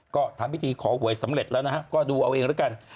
ก็ทำพิธีขอหวยสำเร็จแล้วนะฮะก็ดูเอาเองแล้วกัน